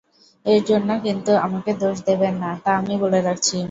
এর জন্যে কিন্তু আমাকে দোষ দেবেন না তা আমি বলে রাখছি।